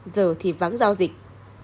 giờ thì vắng giao dịch